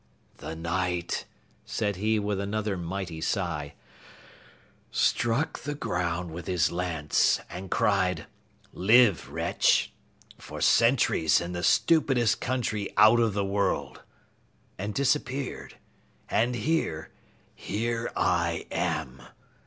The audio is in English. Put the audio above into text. "The Knight," said he with another mighty sigh, "struck the ground with his lance and cried, 'Live Wretch, for centuries in the stupidest country out of the world,' and disappeared. And here here I am!"